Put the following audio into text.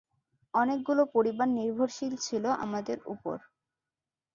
অনেকগুলো পরিবার নির্ভরশীল ছিল আমাদের উপর।